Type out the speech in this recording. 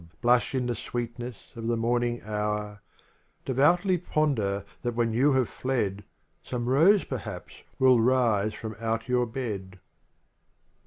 ■ Blush in the sweetness of the morning hotir, \) Devoutly ponder that when you have nedl ,/ Some rose, perhaps, will rise from out your bed.